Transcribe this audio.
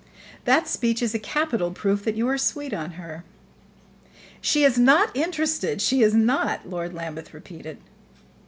That speech is a capital proof that you are sweet on her." "She is not interested she is not!" Lord Lambeth repeated.